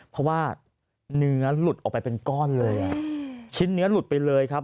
เพราะว่าเนื้อหลุดออกไปเป็นก้อนเลยอ่ะชิ้นเนื้อหลุดไปเลยครับ